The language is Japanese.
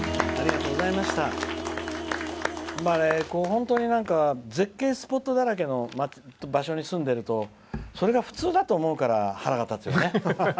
本当に絶景スポットだらけの場所に住んでるとそれが普通だと思うから腹が立つよね。